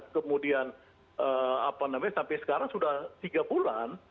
kemudian sampai sekarang sudah tiga bulan